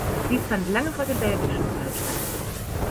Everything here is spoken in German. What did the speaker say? Dies fand lange vor dem belgischen Fall statt.